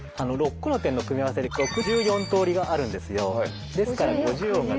６個の点の組み合わせで６４通りがあるんですよ。